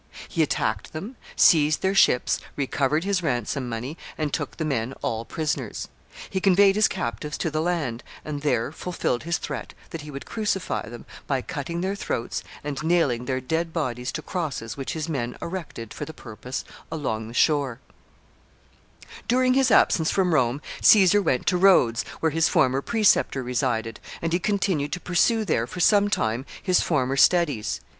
He attacked them, seized their ships, recovered his ransom money, and took the men all prisoners. He conveyed his captives to the land, and there fulfilled his threat that he would crucify them by cutting their throats and nailing their dead bodies to crosses which his men erected for the purpose along the shore. [Footnote 1: See Frontispiece] [Sidenote: Caesar at Rhodes.] During his absence from Rome Caesar went to Rhodes, where his former preceptor resided, and he continued to pursue there for some time his former studies.